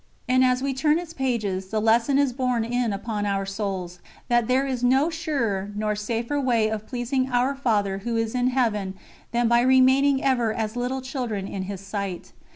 And, as we turn its pages, the lesson is borne in upon our souls that there is no surer nor safer way of pleasing Our Father Who is in Heaven than by remaining ever as little children in His sight.